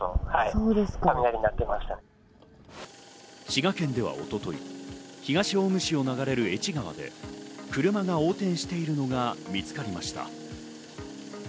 滋賀県では一昨日、東近江市を流れる愛知川で車が横転しているのが見つかりました。